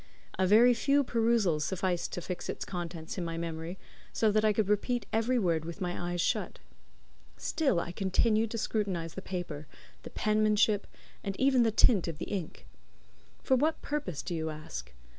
A very few perusals sufficed to fix its contents in my memory, so that I could repeat every word with my eyes shut. Still I continued to scrutinize the paper, the penmanship, and even the tint of the ink. For what purpose, do you ask?